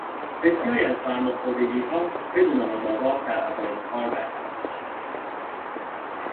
بسیاری از سرماخوردگیها بدون مداوا در اوایل کار برطرف میشوند.